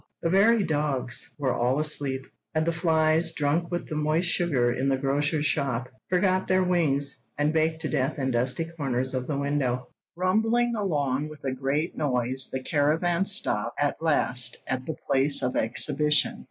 The very dogs were all asleep; and the flies, drunk with the moist sugar in the grocer's shop, forgot their wings, and baked to death in dusty corners of the window. Rumbling along with a great noise, the caravan stopped at last at the place of exhibition.